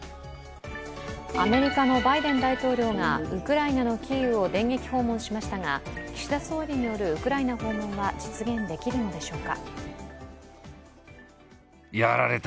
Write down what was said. アメリカのバイデン大統領がウクライナのキーウを電撃訪問しましたが岸田総理によるウクライナ訪問は実現できるのでしょうか。